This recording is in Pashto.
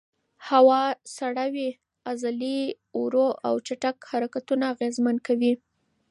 هوا سړه وي، عضلې ورو او چټک حرکتونه اغېزمن کوي.